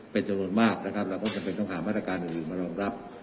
เป็นจำนวนมากนะครับเราก็จำเป็นต้องหามาตรการอื่นมารองรับ